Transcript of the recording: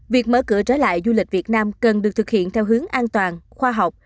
việc mở cửa trở lại du lịch việt nam cần được thực hiện theo hướng an toàn khoa học